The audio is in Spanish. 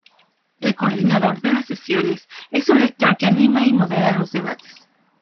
El coordinador de las sesiones es un lector que anima y modera los debates.